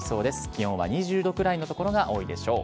気温は２０度くらいの所が多いでしょう。